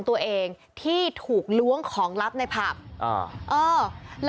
แหล่งศีรษร